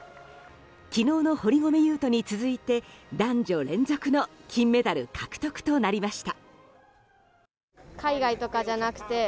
昨日の堀米雄斗に続いて男女連続の金メダル獲得となりました。